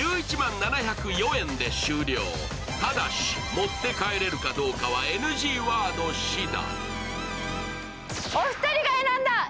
持って帰れるかどうかはＮＧワード次第。